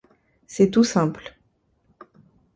C'est tout simple.